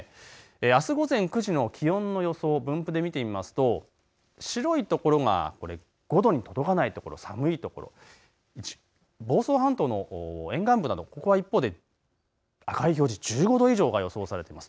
あす午前９時の気温の予想を分布で見てみますと白いところがこれ５度に届かない所、寒い所、房総半島の沿岸部などはここは一方で赤い表示、１５度以上が予想されています。